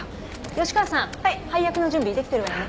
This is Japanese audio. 吉川さん配薬の準備できてるわよね？